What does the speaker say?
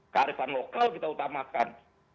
kearifan lokal kita utamakan